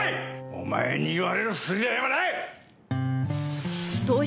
お前に言われる筋合いはない！